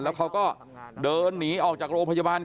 แล้วเขาก็เดินหนีออกจากโรงพยาบาล